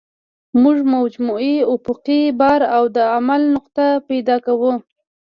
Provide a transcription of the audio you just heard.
موږ مجموعي افقي بار او د عمل نقطه پیدا کوو